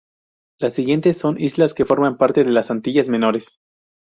Las siguientes son islas que forman parte de las Antillas Menores.